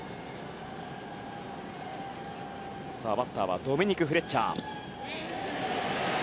バッターはドミニク・フレッチャー。